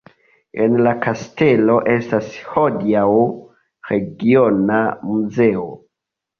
En la kastelo estas hodiaŭ regiona muzeo.